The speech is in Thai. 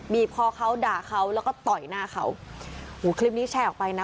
คอเขาด่าเขาแล้วก็ต่อยหน้าเขาหูคลิปนี้แชร์ออกไปนะ